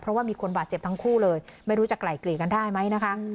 เพราะว่ามีคนบาดเจ็บทั้งคู่เลยไม่รู้จะไกล่เกลี่ยกันได้ไหมนะคะ